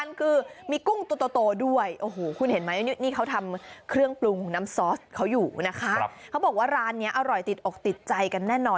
เรื่องปรุงของน้ำซอสเขาอยู่นะคะเขาบอกว่าร้านนี้อร่อยติดอกติดใจกันแน่นอน